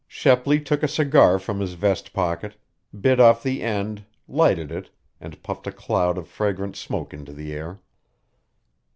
Shepley took a cigar from his vest pocket, bit off the end, lighted it, and puffed a cloud of fragrant smoke into the air.